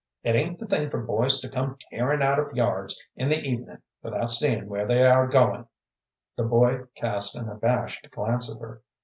"It ain't the thing for boys to come tearin' out of yards in the evenin' without seein' where they are goin'." The boy cast an abashed glance at her.